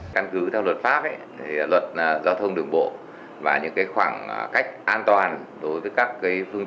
căn cứ theo luật pháp luật giao thông đường bộ và những khoảng cách an toàn đối với các phương